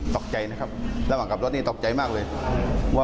ตกใจนะครับระหว่างกลับรถนี่ตกใจมากเลย